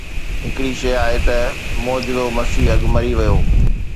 هڪڙي شيء آهي ته معجزو مسيح اڳ مري ويو